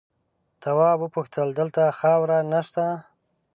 تواب وپوښتل دلته خاوره نه شته؟